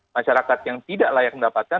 masyarakat yang tidak layak mendapatkan